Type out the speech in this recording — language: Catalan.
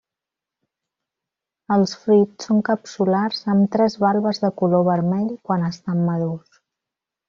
Els fruits són capsulars amb tres valves de color vermell quan estan madurs.